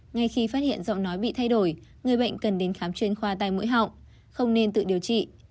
ngay khi phát hiện giọng nói bị thay đổi người bệnh cần đến khám chuyên khoa tai mũi họng không nên tự điều trị